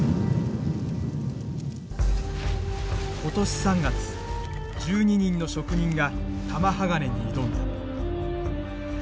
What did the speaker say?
今年３月１２人の職人が玉鋼に挑んだ。